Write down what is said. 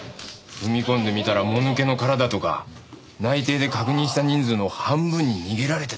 踏み込んでみたらもぬけの殻だとか内偵で確認した人数の半分に逃げられてたとかさ。